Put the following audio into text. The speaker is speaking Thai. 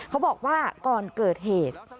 เขาบอกว่าก่อนเกิดเหตุ